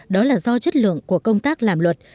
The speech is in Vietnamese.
đó là do chất lượng của công tác làm luật